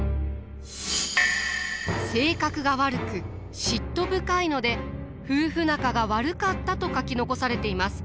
性格が悪く嫉妬深いので夫婦仲が悪かったと書き残されています。